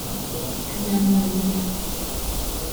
Kanyankore William